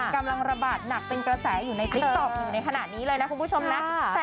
กำลังระบาดหนักเป็นกระแสอยู่ในติ๊กต๊อกอยู่ในขณะนี้เลยนะคุณผู้ชมนะ